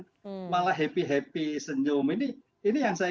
sehingga selaras juga ketika suatu putusan di akhir tidak ada penyesalan